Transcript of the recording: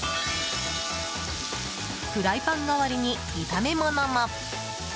フライパン代わりに炒め物も。